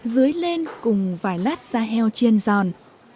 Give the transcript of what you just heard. dưới lên cùng vài lát da heo chiên giòn